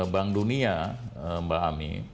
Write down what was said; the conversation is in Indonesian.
bank dunia mbak ami